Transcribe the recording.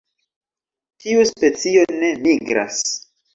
Tiu specio ne migras.